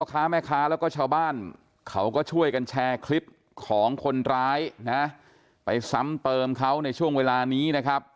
ค้าแม่ค้าแล้วก็ชาวบ้านเขาก็ช่วยกันแชร์คลิปของคนร้ายนะไปซ้ำเติมเขาในช่วงเวลานี้นะครับ